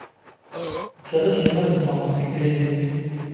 Netta d aselmad-nteɣ n tanglizit.